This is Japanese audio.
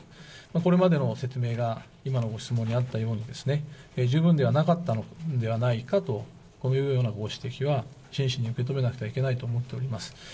これまでの説明が今のご質問にあったように、十分ではなかったのではないかと、こういうようなご指摘は、真摯に受け止めなくてはいけないと思っています。